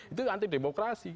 itu anti demokrasi